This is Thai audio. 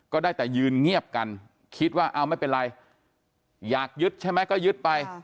ก็ได้แต่ยืนเงียบกันคิดว่าเอาไม่เป็นไรอยากยึดใช่ไหมก็ยึดไป